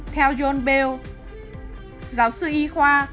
theo john bell giáo viên tài liệu tài liệu cho biết